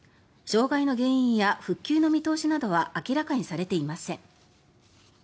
障害の原因や復旧の見通しなどは明らかにされていません。